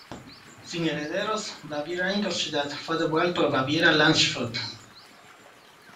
Sin herederos, Baviera-Ingolstadt fue devuelto a Baviera-Landshut.